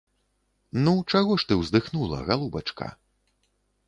Ну, чаго ж ты ўздыхнула, галубачка?